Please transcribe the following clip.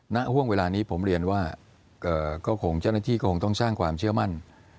ณห่วงเวลานี้ผมเรียนว่าก็คงเจ้าหน้าที่คงต้องสร้างความเชื่อมั่น